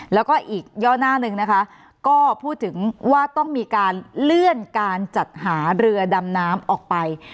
แล้วก็อีกย่อหน้าหนึ่งนะคะก็พูดถึงว่าต้องมีการเลื่อนการจัดหาเรือดำน้ำออกไป